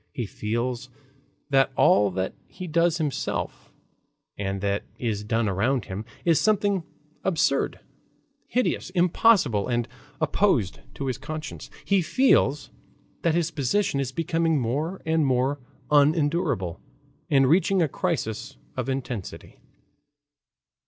He feels that all that he does himself and that is done around him is something absurd, hideous, impossible, and opposed to his conscience; he feels that his position is becoming more and more unendurable and reaching a crisis of intensity.